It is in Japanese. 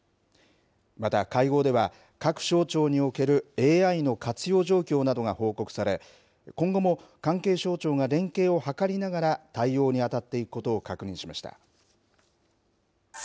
また会合では、各省庁におけるＡＩの活用状況などが報告され、今後も関係省庁が連携を図りながら、対応に当たっていくことを確認しました。